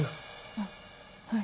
あっはい。